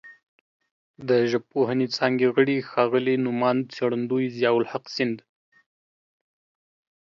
د ژبپوهنې څانګې غړي ښاغلي نوماند څېړندوی ضیاءالحق سیند